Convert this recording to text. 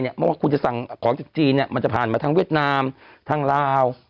เพราะว่าคุณจะสั่งของจากจีนมันจะผ่านมาทางเวียดนามทางลาว